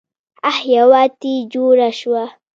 اح يوه تې جوړه شوه.